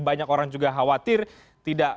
banyak orang juga khawatir tidak